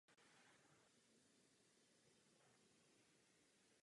Je nepopiratelné, že Unie potřebuje energii.